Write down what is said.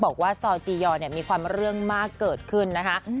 บอกว่าซอลจียอเนี่ยมีความเรื่องมากเกิดขึ้นนะคะ